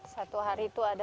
satu hari itu ada